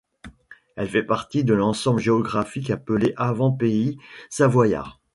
Elle fait partie de l'ensemble géographique appelé Avant-Pays Savoyard.